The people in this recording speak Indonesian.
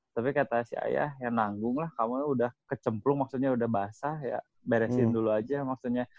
tapi kata si ayah ya nanggung lah kamu udah kecemplung maksudnya udah basah ya beresin dulu aja maksudnya